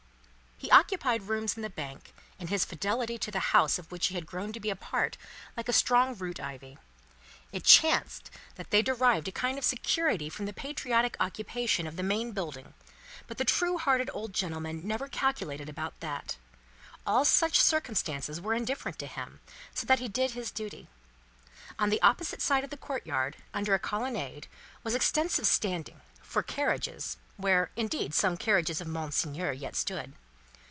He occupied rooms in the Bank, in his fidelity to the House of which he had grown to be a part, like strong root ivy. It chanced that they derived a kind of security from the patriotic occupation of the main building, but the true hearted old gentleman never calculated about that. All such circumstances were indifferent to him, so that he did his duty. On the opposite side of the courtyard, under a colonnade, was extensive standing for carriages where, indeed, some carriages of Monseigneur yet stood.